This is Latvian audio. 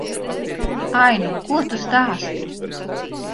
Ai, nu, ko tu stāsti.